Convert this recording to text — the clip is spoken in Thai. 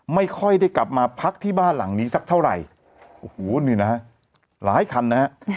ไม่ค่อยได้กลับมาพักที่บ้านหลังนี้สักเท่าไหร่โอ้โหนี่นะฮะหลายคันนะฮะ